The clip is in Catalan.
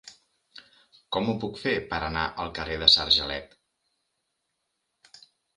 Com ho puc fer per anar al carrer de Sargelet?